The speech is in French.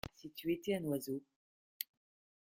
Si tu étais un oiseau.